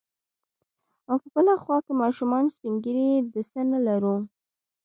او په بله خوا کې ماشومان، سپين ږيري، د څه نه لرو.